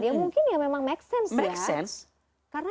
ya mungkin ya memang make sense ya